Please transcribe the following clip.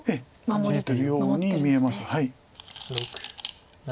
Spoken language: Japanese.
保ってるように見えます。